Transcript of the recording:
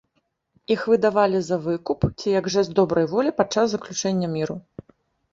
Іх выдавалі за выкуп ці як жэст добрай волі падчас заключэння міру.